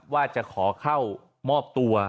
ว่าจะขอเข้ามอบตัว